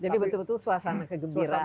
jadi betul betul suasana kegembiraan ya